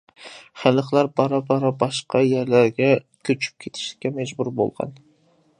خەلقلەر بارا-بارا باشقا يەرلەرگە كۆچۈپ كېتىشكە مەجبۇر بولغان.